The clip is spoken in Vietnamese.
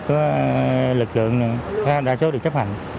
của lực lượng đa số được chấp hành